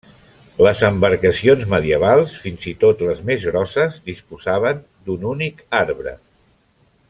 Les embarcacions medievals, fins i tot les més grosses, disposaven d'un únic arbre.